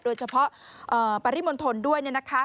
โดยเฉพาะปริมณฑลด้วย